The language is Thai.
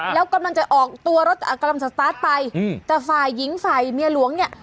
แล้วกำลังจะออกตัวรถกำลังสตาร์ทไปอืมแต่ฝ่ายหญิงฝ่ายเมียหลวงเนี่ย